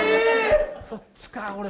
そっちか。